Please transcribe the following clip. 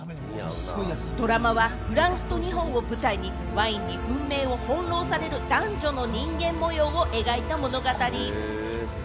ドラマはフランスと日本を舞台にワインに運命を翻弄される男女の人間模様を描いた物語。